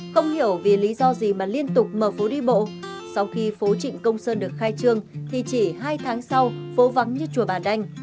không hiểu vì lý do gì mà liên tục mở phố đi bộ sau khi phố trịnh công sơn được khai trương thì chỉ hai tháng sau phố vắng như chùa bà đành